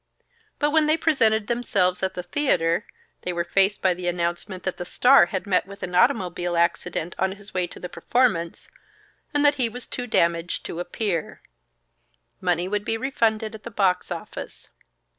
But when they presented themselves at the theater, they were faced by the announcement that the star had met with an automobile accident on his way to the performance, and that he was too damaged to appear; money would be refunded at the box office.